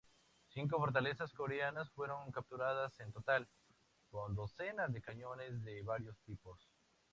Cinco fortalezas coreanas fueron capturadas en total, con docenas de cañones de varios tipos.